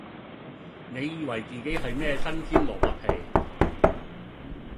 你以為自己係咩新鮮蘿蔔皮